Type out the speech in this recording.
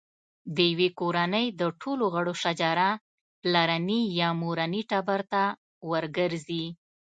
د یوې کورنۍ د ټولو غړو شجره پلرني یا مورني ټبر ته ورګرځي.